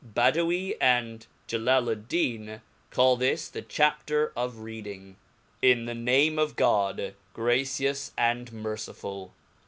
Bedaoi and Gelaklin call this the Cha^pter of Reading, ir^N'ftie name of God, gracious and merciful).